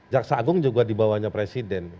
jaksa agung juga dibawanya presiden